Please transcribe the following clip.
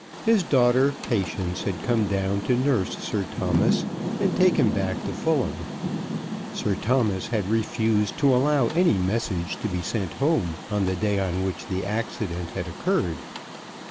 His daughter Patience had come down to nurse Sir Thomas and take him back to Fulham. Sir Thomas had refused to allow any message to be sent home on the day on which the accident had occurred.